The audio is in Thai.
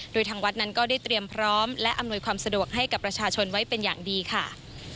โดยทางวัดนั้นก็ได้เตรียมพร้อมและอำนวยความสะดวกให้กับประชาชนไว้เป็นอย่างดีค่ะ